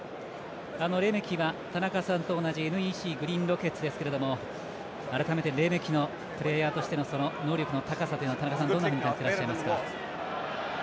レメキは田中さんと同じＮＥＣグリーンロケッツですけど改めて、レメキのプレーヤーとしての能力というのはどう感じていらっしゃいますか？